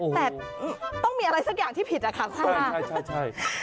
แต่ต้องมีอะไรสักอย่างที่ผิดอ่ะค่ะ